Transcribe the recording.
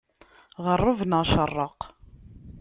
Ɣeṛṛeb, neɣ ceṛṛeq!